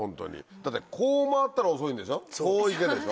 だってこう回ったら遅いんでしょ